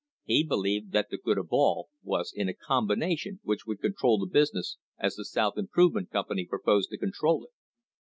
He believed that the "good of all" was in a combination which would control the business as the South Improvement Company pro posed to control it.